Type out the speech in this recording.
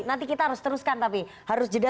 nanti kita harus teruskan tapi harus jeda